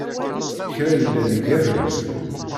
Kra yellan igerrez.